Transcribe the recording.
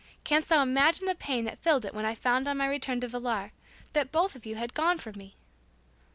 Canst thou imagine the pain that filled it when I found on my return to Villar, that both of you had gone from me?